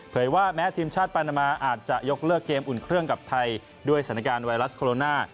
ว่าแม้ทีมชาติปานามาอาจจะยกเลิกเกมอุ่นเครื่องกับไทยด้วยสถานการณ์ไวรัสโคโรนา